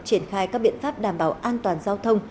triển khai các biện pháp đảm bảo an toàn giao thông